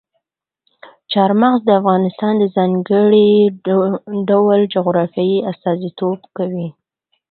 چار مغز د افغانستان د ځانګړي ډول جغرافیې استازیتوب کوي.